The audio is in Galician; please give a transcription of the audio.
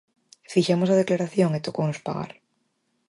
Fixemos a declaración e tocounos pagar.